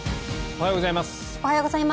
おはようございます。